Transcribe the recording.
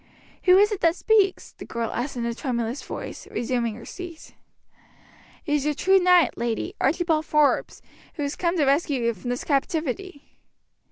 "Who is it that speaks?" the girl asked in a tremulous voice, resuming her seat. "It is your true knight, lady, Archibald Forbes, who has come to rescue you from this captivity."